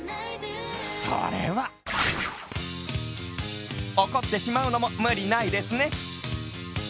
それは怒ってしまうのも無理ないですね。